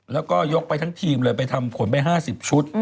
แล้วก็ยกไปทั้งทีมเลยไปทำผลไป๕๐ชุด